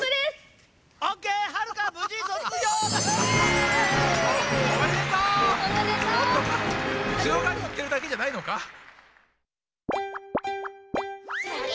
つよがり言ってるだけじゃないのか？